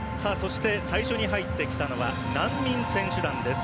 最初に入ってきたのは難民選手団です。